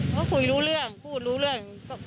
เขาคุยรู้เรื่องพูดรู้เรื่อง